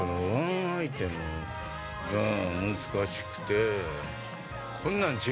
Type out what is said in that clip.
ワンアイテムが難しくて。